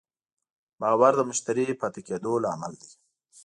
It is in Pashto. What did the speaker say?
باور د مشتری پاتې کېدو لامل دی.